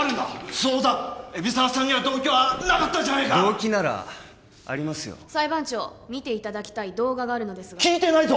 そうだ海老沢さんには動機はなかったじゃないか動機ならありますよ裁判長見ていただきたい動画が聞いてないぞ！